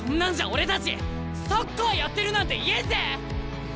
俺たちサッカーやってるなんて言えんぜ！